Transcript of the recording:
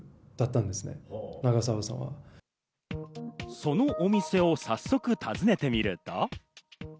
そのお店を早速、訪ねてみると。